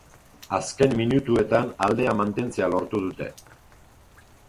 Azken minutuetan aldea mantentzea lortu dute.